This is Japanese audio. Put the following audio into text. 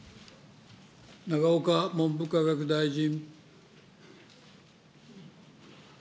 永岡文部科学大臣。